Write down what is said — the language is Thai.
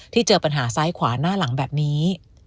เจอปัญหาซ้ายขวาหน้าหลังแบบนี้